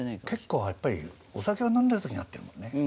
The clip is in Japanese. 結構やっぱりお酒を飲んでる時に会ってるもんね。